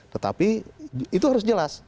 tetapi itu harus jelas